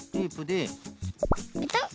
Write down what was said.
ペタッ。